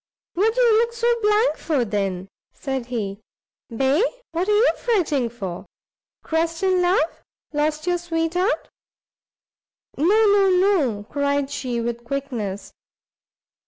"What do you look so blank for, then?" said he, "bay? what are fretting for? crossed in love? lost your sweetheart?" "No, no, no," cried she, with quickness.